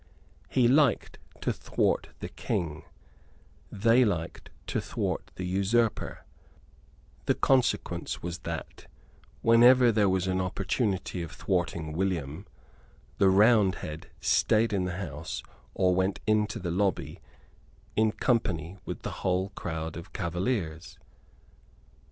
He liked to thwart the King; they liked to thwart the usurper; the consequence was that, whenever there was an opportunity of thwarting William, the Roundhead stayed in the House or went into the lobby in company with the whole crowd of Cavaliers.